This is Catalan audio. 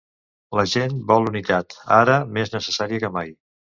La gent vol unitat, ara més necessària que mai.